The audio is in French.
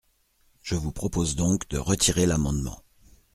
Je vous propose donc de retirer l’amendement.